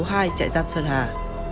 hai trại giam xuân hà